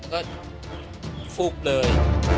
ก็ฟุบเลย